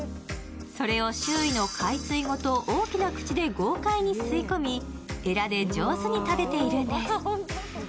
それを周囲の海水ごと大きな口で豪快に吸い込みエラで上手に食べているんです。